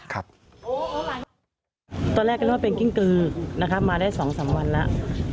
ตอนแรกก็เรียกว่าเป็นกิ้งกลือ